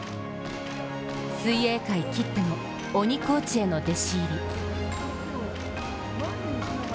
水泳界きっての鬼コーチへの弟子入り。